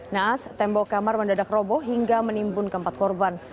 naas tembok kamar mendadak roboh hingga menimbun keempat korban